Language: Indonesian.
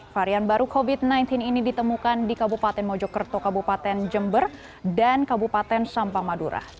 varian baru covid sembilan belas ini ditemukan di kabupaten mojokerto kabupaten jember dan kabupaten sampang madura